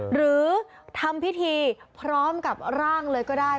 หรือทำพิธีพร้อมกับร่างเลยก็ได้